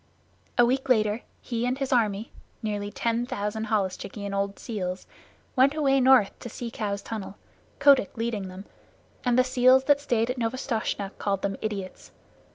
A week later he and his army (nearly ten thousand holluschickie and old seals) went away north to the Sea Cow's tunnel, Kotick leading them, and the seals that stayed at Novastoshnah called them idiots.